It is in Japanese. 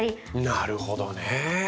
なるほどね。